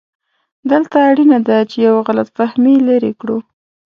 دلته اړینه ده چې یو غلط فهمي لرې کړو.